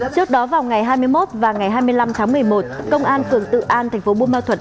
trước đó vào ngày hai mươi một và ngày hai mươi năm tháng một mươi một công an phường tự an thành phố buôn ma thuật